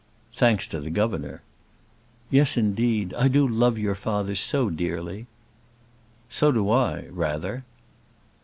"Thanks to the governor." "Yes, indeed. I do love your father so dearly." "So do I rather."